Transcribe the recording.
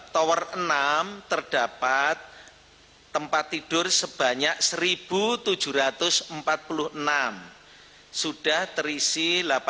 tower enam terdapat tempat tidur sebanyak satu tujuh ratus empat puluh enam sudah terisi delapan ratus delapan puluh delapan